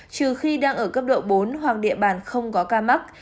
trừ khi đang ở cấp độ bốn hoặc địa bàn không có ca mắc